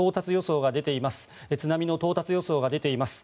津波の到達予想が出ています。